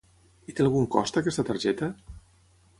I té algun cost aquesta targeta?